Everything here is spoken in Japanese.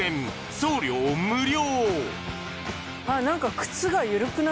送料無料